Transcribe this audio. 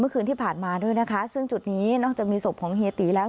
เมื่อคืนที่ผ่านมาด้วยนะคะซึ่งจุดนี้นอกจากมีศพของเฮียตีแล้ว